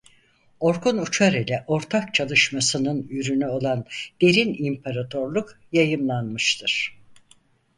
Orkun Uçar ile ortak çalışmasının ürünü olan "Derin İmparatorluk" yayımlanmıştır.